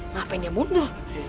ngapain dia mundur